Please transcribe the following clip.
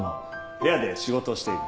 部屋で仕事をしている。